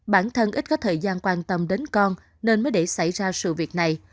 bản thân ít có thời gian quan tâm đến con nên mới để xảy ra sự việc này